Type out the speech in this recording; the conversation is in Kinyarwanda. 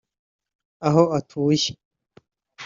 aho atuye